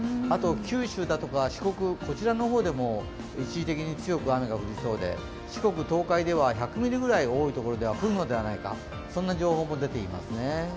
九州だとか四国、こちらの方でも一時的に強く雨が降りそうで四国、東海では１００ミリくらい、多い所では降るのではないかそんな情報も出ていますね。